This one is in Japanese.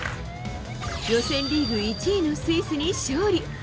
予選リーグ１位のスイスに勝利！